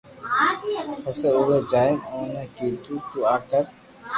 پسي اووي جائين اوني ڪيڌو تو آ ڪر